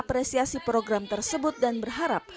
apresiasi program tersebut dan berharap